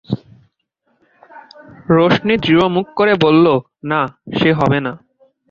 রোশনি দৃঢ়মুখ করে বললে, না, সে হবে না।